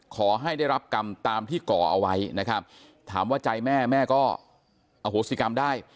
ขอให้ได้รับกรรมตามที่ก่อเอาไว้นะครับถามว่าใจแม่แม่ก็อโหสิกรรมได้